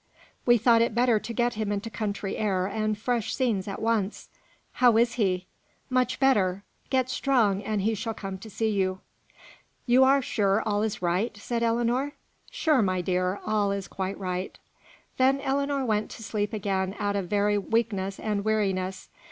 "We thought it better to get him into country air and fresh scenes at once." "How is he?" "Much better. Get strong, and he shall come to see you." "You are sure all is right?" said Ellinor. "Sure, my dear. All is quite right." Then Ellinor went to sleep again out of very weakness and weariness.